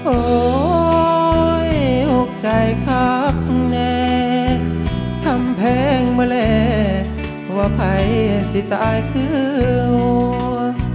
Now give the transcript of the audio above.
โอ๊ยอุ๊คใจครับเนทำเพลงเมล็ดว่าไพสิตายคืออัว